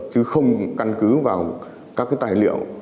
chứ không căn cứ vào các tài liệu